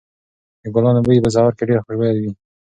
د ګلانو بوی په سهار کې ډېر خوشبويه وي.